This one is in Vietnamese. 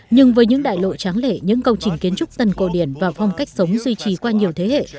nhưng với những đại lộ tráng lệ những công trình kiến trúc tần cổ điển và phong cách sống duy trì qua nhiều thế hệ